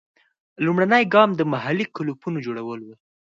لومړنی ګام د محلي کلوپونو جوړول وو.